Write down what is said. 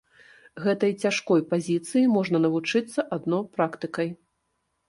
Гэтай цяжкой пазіцыі можна навучыцца адно практыкай.